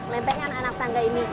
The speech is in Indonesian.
lempengan anak tangga ini